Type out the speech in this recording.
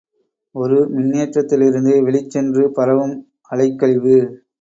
ஒரு மின்னேற்றத்திலிருந்து வெளிச்சென்று பரவும் அலைக்கழிவு.